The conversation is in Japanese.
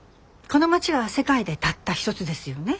この町は世界でたったひとつですよね。